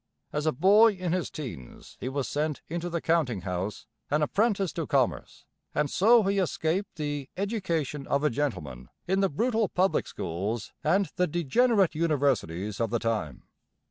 As a boy in his teens he was sent into the counting house, an apprentice to commerce, and so he escaped the 'education of a gentleman' in the brutal public schools and the degenerate universities of the time.